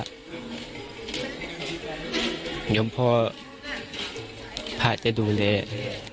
เดี๋ยวพ่อภาคจะดูเรียก